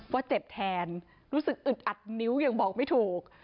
เจ็บแทนรู้สึกอึดอัดนิ้วยังบอกไม่ถูก